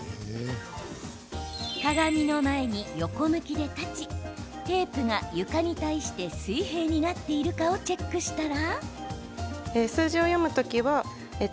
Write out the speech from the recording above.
鏡の前に横向きで立ちテープが床に対して水平になっているかをチェックしたら。